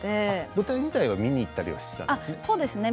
舞台自体は見に行っていたんですね。